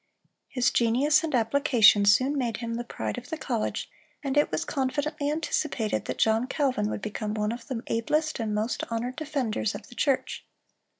His genius and application soon made him the pride of the college, and it was confidently anticipated that John Calvin would become one of the ablest and most honored defenders of the church.